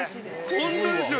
ホントですよ